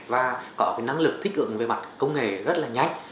và có năng lực thích ứng về mặt công nghệ rất nhanh